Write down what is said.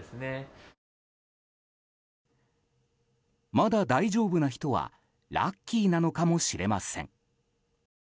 まだ大丈夫な人はラッキーなのかもしれません。